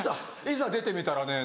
いざ出てみたらね